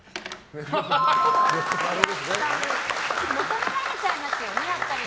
求められちゃいますよねやっぱりね。